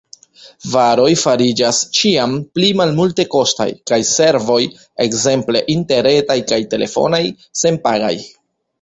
Varoj fariĝas ĉiam pli malmultekostaj, kaj servoj – ekzemple interretaj kaj telefonaj – senpagaj.